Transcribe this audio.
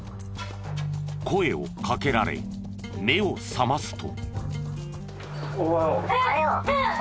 声をかけられ目を覚ますと。